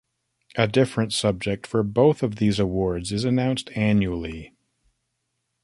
A different subject for both of these awards is announced annually.